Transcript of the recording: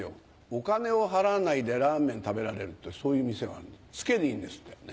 お金を払わないでラーメン食べられるってそういう店があるのツケでいいんですって。